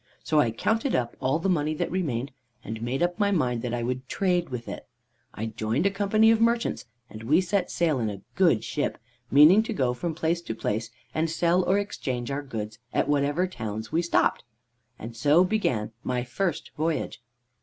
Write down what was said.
So I counted up all the money that remained, and made up my mind that I would trade with it. I joined a company of merchants, and we set sail in a good ship, meaning to go from place to place, and sell or exchange our goods at whatever towns we stopped. And so began my first voyage.